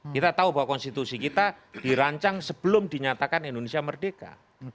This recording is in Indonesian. kita tahu bahwa konstitusi kita dirancang sebelum dinyatakan indonesia merdeka